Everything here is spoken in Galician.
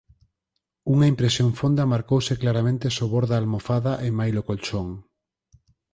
Unha impresión fonda marcouse claramente sobor da almofada e mailo colchón.